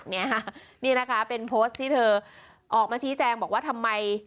นี่ค่ะนี่นะคะเป็นโพสต์ที่เธอออกมาชี้แจงบอกว่าทำไม